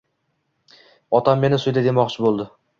Otam meni suydi demoqchi bo'ldi.